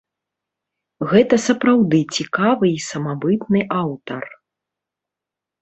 Гэта сапраўды цікавы і самабытны аўтар.